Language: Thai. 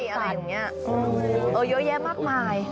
อาการเยอะแยะมากมาย